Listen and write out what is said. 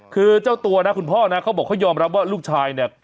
คือเจ้าตัวนะคุณพ่อนะเขาบอกเขายอมรับว่าลูกชายเนี่ย